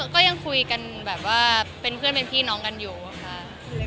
ก็ยังคุยกันแบบว่าเป็นเพื่อนเป็นพี่น้องกันอยู่ค่ะ